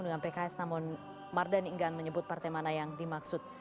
dengan pks namun mardhani enggak menyebut partai mana yang dimaksud